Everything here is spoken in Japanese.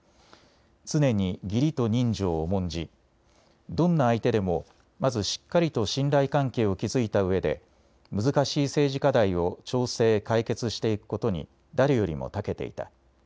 常に義理と人情を重んじどんな相手でもまずしっかりと信頼関係を築いたうえで難しい政治課題を調整・解決していくことに誰よりもたけていた。